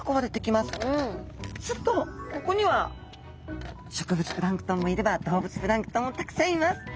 するとここには植物プランクトンもいれば動物プランクトンもたくさんいます。